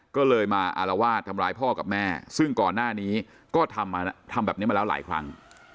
ก็เลยมาอารวาสทำร้ายพ่อกับแม่ซึ่งก่อนหน้านี้ก็ทำแบบนี้มาแล้วหลายครั้ง